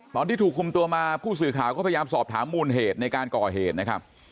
ตอนที่ถูกคุมตัวมาผู้สื่อข่าวก็พยายามสอบถามมูลเหตุในการก่อเหตุนะครับ